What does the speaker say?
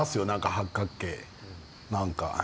八角形の何か。